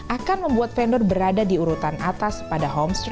akan membuat vendor berada di urutan atas pada homestay